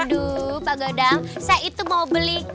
aduh pak gaudam saya itu mau beli kambing ya